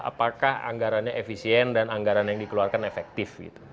apakah anggarannya efisien dan anggaran yang dikeluarkan efektif